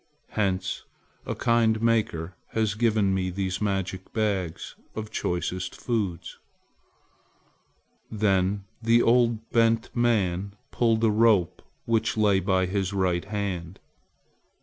Hence a kind Maker has given me these magic bags of choicest foods." Then the old, bent man pulled at a rope which lay by his right hand.